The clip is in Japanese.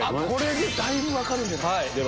これでだいぶ分かるんじゃない？